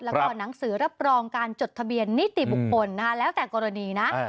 แล้วก็หนังสือรับรองการจดทะเบียนนิติบุคคลนะคะแล้วแต่กรณีนะ